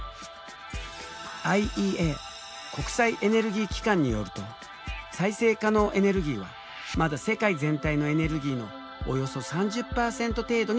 ＩＥＡ国際エネルギー機関によると再生可能エネルギーはまだ世界全体のエネルギーのおよそ３０％程度にすぎない。